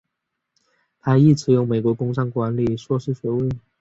他亦持有美国工商管理硕士学位。